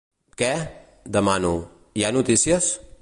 Què? —demano— Hi ha notícies?